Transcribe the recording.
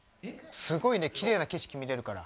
すごいきれいな景色見れるから。